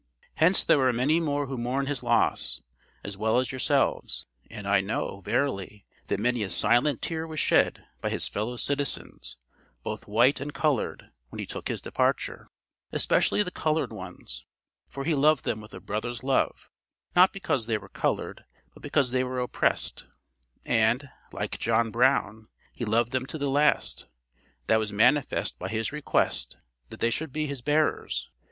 Hence there are many more who mourn his loss, as well as yourselves; and I know, verily, that many a silent tear was shed by his fellow citizens, both white and colored, when he took his departure; especially the colored ones; for he loved them with a brother's love, not because they were colored, but because they were oppressed, and, like John Brown, he loved them to the last; that was manifest by his request that they should be his bearers.